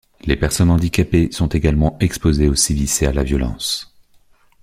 Les personnes handicapées sont également exposées aux sévices et à la violence.